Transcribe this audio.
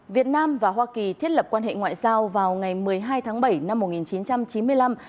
việt nam và hoa kỳ thiết lập quan hệ ngoại giao vào ngày một mươi hai tháng bảy năm một nghìn chín trăm chín mươi năm